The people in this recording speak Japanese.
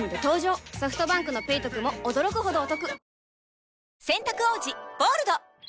ソフトバンクの「ペイトク」も驚くほどおトク